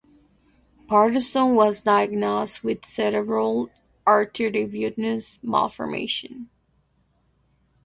Patterson was diagnosed with cerebral arteriovenous malformation.